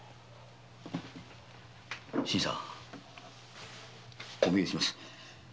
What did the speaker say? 新さんお願いします。